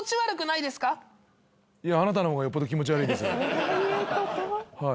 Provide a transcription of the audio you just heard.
いやあなたのほうがよっぽど気持ち悪いですはい。